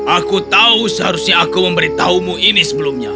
aku tahu seharusnya aku memberitahumu ini sebelumnya